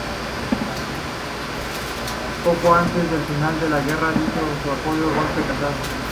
Poco antes del final de la guerra dio su apoyo al golpe de Casado.